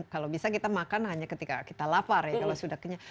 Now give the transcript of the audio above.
kalau bisa kita makan hanya ketika kita lapar ya kalau sudah kenyal